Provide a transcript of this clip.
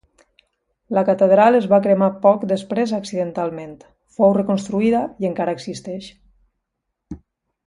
La catedral es va cremar poc després accidentalment; fou reconstruïda i encara existeix.